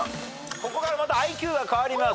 ここからまたＩＱが変わります。